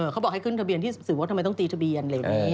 เขาบอกให้ขึ้นทะเบียนไม่ต้องตีทะเบียน